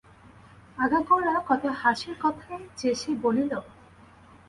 আগাগোড়া কত হাসির কথাই যে সে বলিল!